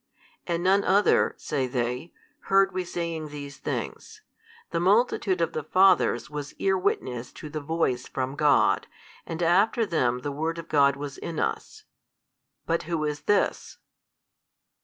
And none other (say they) heard we saying these things: the multitude of the fathers was ear witness to the Voice from God, and after them the Word of God was in us: But who is This?